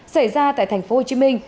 xảy ra tại tp hcm